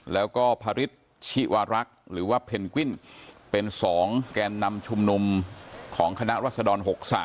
แล้วก็พระฤทธิวารักษ์หรือว่าเพนกวินเป็น๒แกนนำชุมนุมของคณะรัศดร๖๓